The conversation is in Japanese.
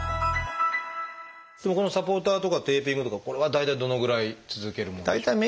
このサポーターとかテーピングとかこれは大体どのぐらい続けるものでしょうか？